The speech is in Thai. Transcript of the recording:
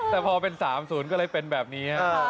แต่พอเป็น๓๐ก็เลยเป็นแบบนี้